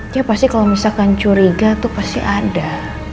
ya pasti kalau misalkan curiga tuh pasti ada